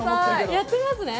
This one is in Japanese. やってみますね。